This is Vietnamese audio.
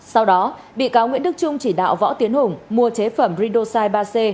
sau đó bị cáo nguyễn đức trung chỉ đạo võ tiến hùng mua chế phẩm ridosai ba c